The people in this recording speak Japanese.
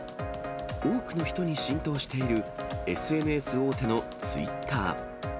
多くの人に浸透しているＳＮＳ大手のツイッター。